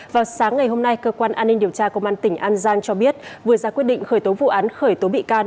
vào sáng ngày hôm nay cơ quan an ninh điều tra công an tỉnh an giang cho biết vừa ra quyết định khởi tố vụ án khởi tố bị can